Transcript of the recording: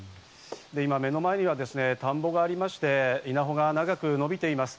今、目の前には田んぼがありまして、稲穂が長く伸びています。